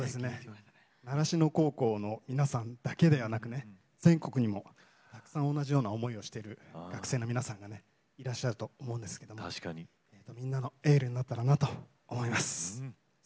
習志野高校の皆さんだけではなくね全国にもたくさん同じような思いをしている学生の皆さんがいらっしゃると思うんですけれどもみんなのエールになったらなと思います。